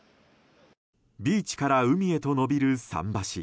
ビーチから海へと延びる桟橋。